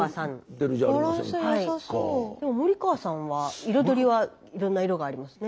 でも森川さんは彩りはいろんな色がありますね。